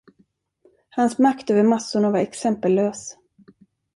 Hans makt över massorna var exempellös.